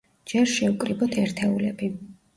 ჯერ შევკრიბოთ ერთეულები.